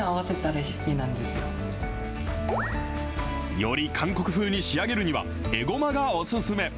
より韓国風に仕上げるには、えごまがお勧め。